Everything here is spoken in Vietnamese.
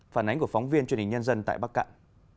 phản ánh của phóng viên truyền hình nhân dân tại bắc cạn